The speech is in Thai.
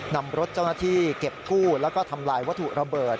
นำรถเจ้าหน้าที่เก็บกู้แล้วก็ทำลายวัตถุระเบิด